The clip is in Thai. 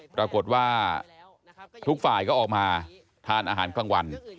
ปรากฏว่าทุกฝ่ายก็ออกมาทานอาหารกลางวัน